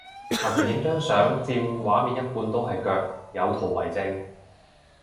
求其影張相佔畫面一半都係腳，有圖為證